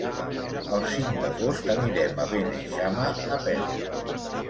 El cinc d'agost anirem a Beneixama a peu.